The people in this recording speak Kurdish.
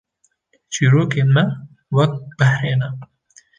Çîrokên me weke behrê ne